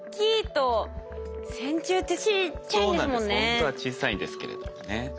ほんとは小さいんですけれどもね。